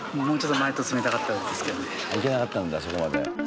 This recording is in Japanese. できなかったんだそこまで。